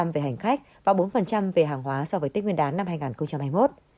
bảy mươi ba về hành khách và bốn về hàng hóa so với tết nguyên đán năm hai nghìn hai mươi một